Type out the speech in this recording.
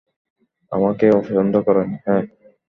আমাকে অপছন্দ করেন, হ্যাঁ?